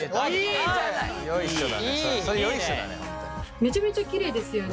めちゃめちゃきれいですよね。